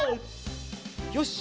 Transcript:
よし！